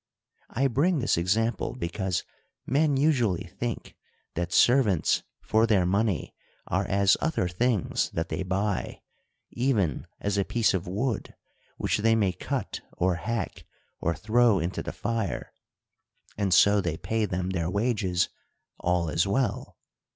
I bring this example, because men usually think, that servants for their money are as other things that they buy ; even as a piece of wood, which they may cut or hack, or throw into the fire ; and, so they pay them their wages, all is well.